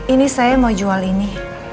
ini saya mau jual ini